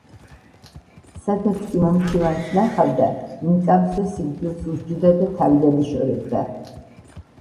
სადაც კი მომჩივანს ნახავდა, იმ წამსვე სიკვდილს უსჯიდა და თავიდან იშორებდა.